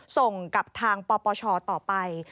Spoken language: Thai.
ส่งกับทางปปชต่อไป